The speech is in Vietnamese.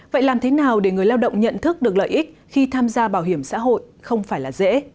vậy làm thế nào để người lao động nhận thức được lợi ích khi tham gia bảo hiểm xã hội không phải là dễ